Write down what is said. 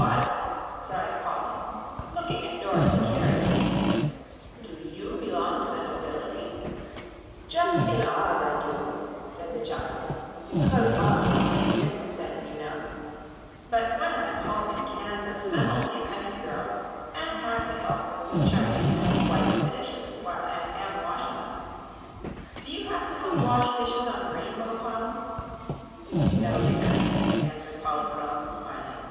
"What!" cried Polly, looking at Dorothy curiously. "Do you belong to the nobility?" "Just in Oz I do," said the child, "'cause Ozma made me a Princess, you know. But when I'm home in Kansas I'm only a country girl, and have to help with the churning and wipe the dishes while Aunt Em washes 'em. Do you have to help wash dishes on the rainbow, Polly?" "No, dear," answered Polychrome, smiling.